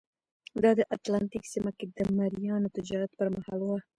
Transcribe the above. دا د اتلانتیک سیمه کې د مریانو تجارت پرمهال وه.